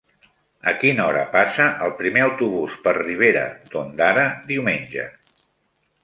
A quina hora passa el primer autobús per Ribera d'Ondara diumenge?